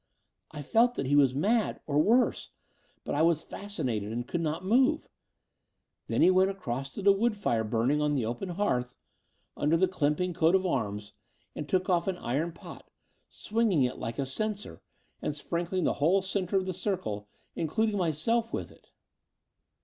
I felt that he was mad — or worse: but I was fascinated and could not move. Then he went across to the wood fire burning on the open hearth, under the Clympynge coat of arms and took off an iron pot, swinging it like a censer, and sprinkling the whole centre of the circle, including myself, with it.